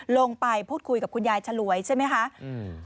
ลงไปพูดคุยกับคุณยายฉลวยใช่ไหมคะอืม